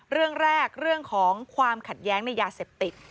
เรื่องแรกเรื่องของความขัดแย้งในยาเสพติด